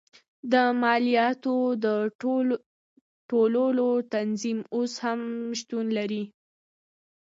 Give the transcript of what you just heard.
د مالیاتو د ټولولو تنظیم اوس هم شتون نه لري.